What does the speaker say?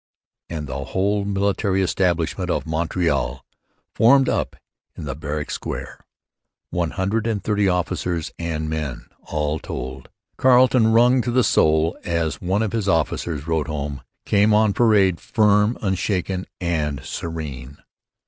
_ and 'the whole military establishment' of Montreal formed up in the barrack square one hundred and thirty officers and men, all told. Carleton, 'wrung to the soul,' as one of his officers wrote home, came on parade 'firm, unshaken, and serene.'